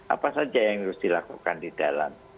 apa saja yang harus dilakukan di dalam